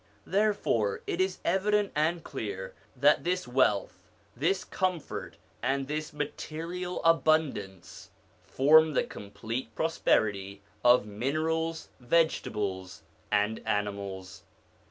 Therefore it is evident and clear that this wealth, this comfort, and this material abundance, form the complete prosperity of minerals, vegetables, and animals.